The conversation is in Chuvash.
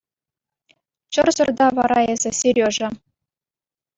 Чӑрсӑр та вара эсӗ, Сережа.